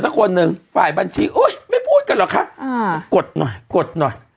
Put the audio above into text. คนหนึ่งฝ่ายบัญชีโอ๊ยไม่พูดกันเหรอคะกดหน่อยกดหน่อย